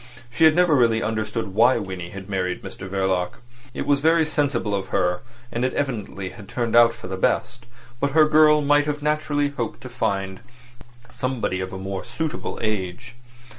She had never really understood why Winnie had married Mr Verloc. It was very sensible of her, and evidently had turned out for the best, but her girl might have naturally hoped to find somebody of a more suitable age.